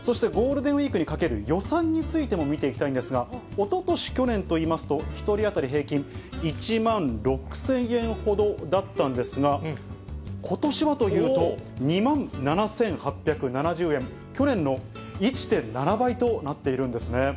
そしてゴールデンウィークにかける予算についても見ていきたいんですが、おととし、去年といいますと、１人当たり平均１万６０００円ほどだったんですが、ことしはというと、２万７８７０円、去年の１．７倍となっているんですね。